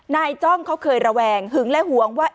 จ้องเขาเคยระแวงหึงและหวงว่า